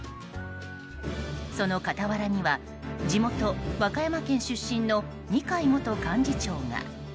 その傍らには地元・和歌山県出身の二階元幹事長が。